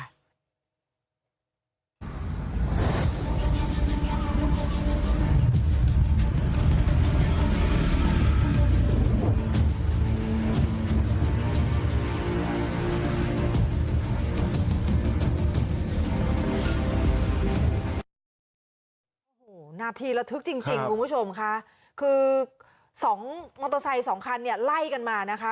โอ้โหนาทีระทึกจริงคุณผู้ชมค่ะคือสองมอเตอร์ไซค์สองคันเนี่ยไล่กันมานะคะ